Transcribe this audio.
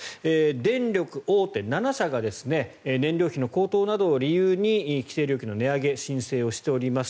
電力大手７社が燃料費の高騰などを理由に規制料金の値上げを申請しております。